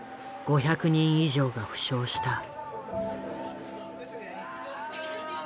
５００人以上が負傷した。